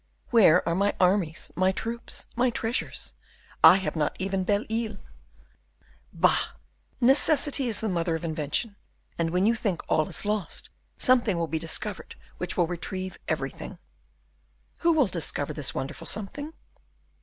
"Where are my armies, my troops, my treasures? I have not even Belle Isle." "Bah! necessity is the mother of invention, and when you think all is lost, something will be discovered which will retrieve everything." "Who will discover this wonderful something?"